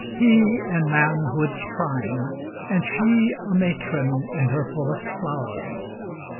He in manhood's prime And she a matron in her fullest flower.